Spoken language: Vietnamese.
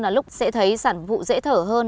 là lúc sẽ thấy sản phụ dễ thở hơn